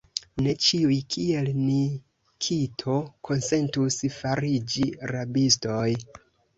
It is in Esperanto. Ne ĉiuj, kiel Nikito, konsentus fariĝi rabistoj!